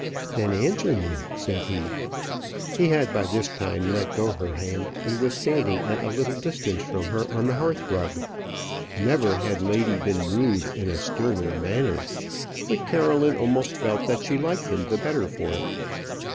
"Then answer me," said he. He had by this time let go her hand, and was standing at a little distance from her, on the hearth rug. Never had lady been wooed in a sterner manner; but Caroline almost felt that she liked him the better for it.